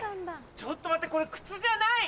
ちょっと待ってこれ靴じゃない！